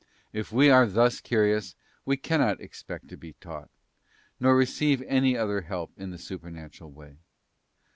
If we are thus curious we cannot expect to be taught, nor receive any other help in the supernatural way.